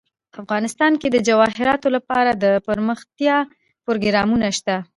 افغانستان کې د جواهرات لپاره دپرمختیا پروګرامونه شته.